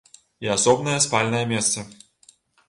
І асобнае спальнае месца.